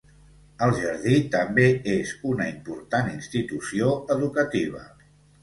El Jardí també és una important institució educativa.